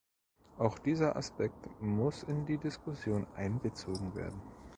Auch dieser Aspekt muss in die Diskussion einbezogen werden.